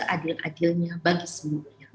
adil adilnya bagi semuanya